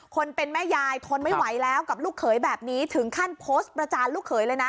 คนเป็นแม่ยายทนไม่ไหวแล้วกับลูกเขยแบบนี้ถึงขั้นโพสต์ประจานลูกเขยเลยนะ